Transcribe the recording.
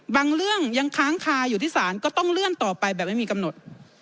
เรื่องยังค้างคาอยู่ที่ศาลก็ต้องเลื่อนต่อไปแบบไม่มีกำหนด